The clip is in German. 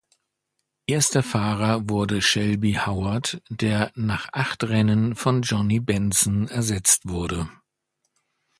Erster Fahrer wurde Shelby Howard, der nach acht Rennen von Johnny Benson ersetzt wurde.